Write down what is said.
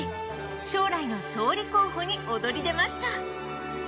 将来の総理候補に躍り出ました。